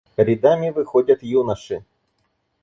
Рядами выходят юноши.